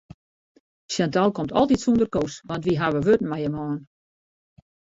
Chantal komt altyd sûnder Koos want wy hawwe wurden mei him hân.